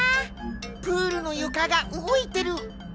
プールのゆかがうごいてる！